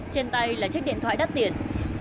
trên tay là chiếc điện thoại đắt tiền